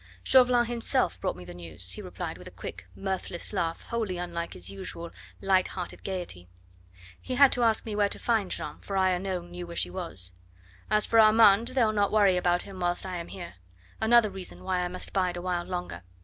Chauvelin himself brought me the news," he replied with a quick, mirthless laugh, wholly unlike his usual light hearted gaiety. "He had to ask me where to find Jeanne, for I alone knew where she was. As for Armand, they'll not worry about him whilst I am here. Another reason why I must bide a while longer.